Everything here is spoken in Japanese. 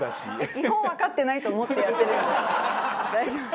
基本わかってないと思ってやってるので大丈夫です。